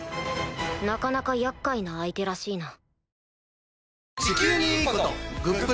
なかなか厄介な相手らしいな。